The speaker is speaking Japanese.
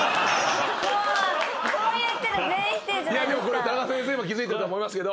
いやでもこれタナカ先生も気付いたと思いますけど。